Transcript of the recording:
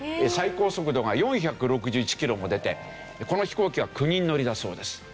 最高速度が４６１キロも出てこの飛行機は９人乗りだそうです。